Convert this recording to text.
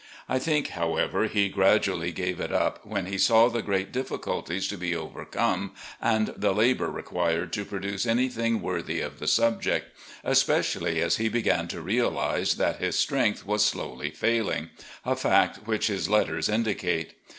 I think, however, he gradually gave it up when he saw the great difficulties to be over come and the labour required to produce anything worthy of the subject, especially as he began to realise that his strength was slowly failing — ^a fact which his letters indicate.